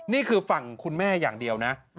นี่คือฝั่งคุณแม่อย่างเดียวนะ